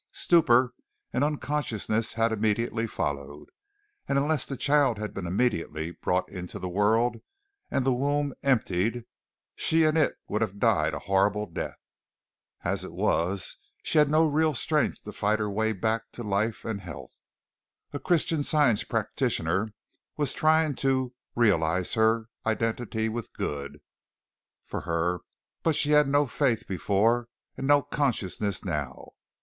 Stupor and unconsciousness had immediately followed, and unless the child had been immediately brought into the world and the womb emptied, she and it would have died a horrible death. As it was she had no real strength to fight her way back to life and health. A Christian Science practitioner was trying to "realize her identity with good" for her, but she had no faith before and no consciousness now.